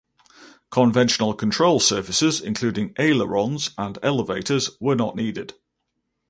Conventional control surfaces including ailerons and elevators were not needed.